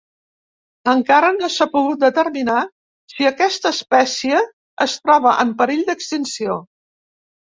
Encara no s'ha pogut determinar si aquesta espècie es troba en perill d'extinció.